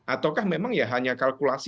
ataukah memang ya hanya kalkulasi